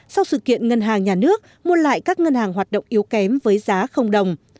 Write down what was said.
sau sự kiện ngân hàng nhà nước mua lại các ngân hàng hoạt động yếu kém với giá đồng